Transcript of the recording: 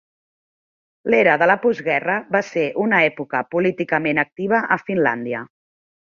L'era de la postguerra va ser una època políticament activa a Finlàndia.